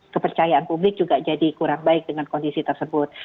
kepercayaan publik juga jadi kurang baik dengan kondisi tersebut